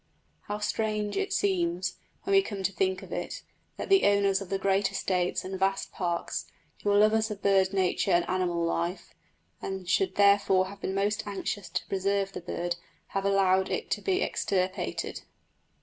How strange it seems, when we come to think of it, that the owners of great estates and vast parks, who are lovers of wild nature and animal life, and should therefore have been most anxious to preserve this bird, have allowed it to be extirpated!